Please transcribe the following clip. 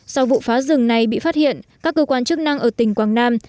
sau vụ phá rừng này bị phát hiện các cơ quan chức năng ở tỉnh quảng nam